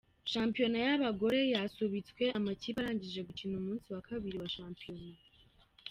Shampiyona y’abagore, yasubitswe amakipe arangije gukina umunsi wa kabiri wa shampiyona.